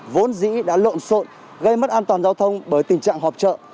vốn dĩ đã lộn xộn gây mất an toàn giao thông bởi tình trạng họp trợ